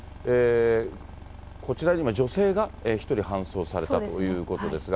こちらで今、女性が１人、搬送されたということですが。